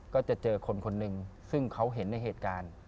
ก็จะเจอคนคนหนึ่งซึ่งเขาเห็นในเหตุการณ์